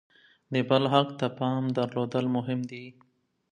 د بل حق ته پام درلودل مهم دي.